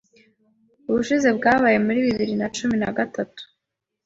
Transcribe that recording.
Ubushize bwabaye muri bibiri na cumi na gatatu.